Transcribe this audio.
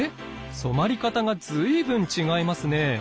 染まり方が随分違いますね。